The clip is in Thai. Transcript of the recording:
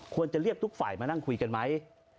ควรจะเรียกทุกฝ่ายมานั่งคุยกันไหม